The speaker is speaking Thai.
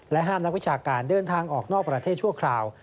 ห้ามนักวิชาการเดินทางออกนอกประเทศชั่วคราว